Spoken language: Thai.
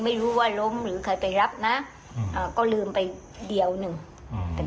ไม่รู้ว่าล้มหรือใครไปรับนะอืมอ่าก็ลืมไปเดียวหนึ่งอืมแต่